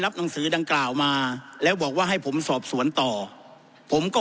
หนังสือดังกล่าวมาแล้วบอกว่าให้ผมสอบสวนต่อผมก็